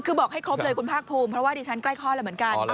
คือบอกให้ครบเลยคุณภาคภูมิเพราะว่าดิฉันใกล้คลอดแล้วเหมือนกัน